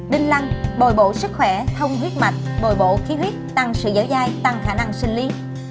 đinh lăng bồi bộ sức khỏe thông huyết mạch bồi bộ khi huyết tăng sự dở dai tăng khả năng sinh lý